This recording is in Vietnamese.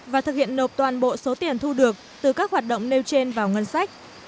và thực hiện nộp toàn bộ số tiền thu được từ các hoạt động nêu trên vào ngân sách